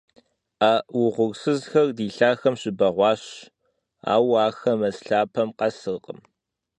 А угъурсызхэр ди лъахэм щыбэгъуащ, ауэ ахэр мэз лъапэм къэсыркъым.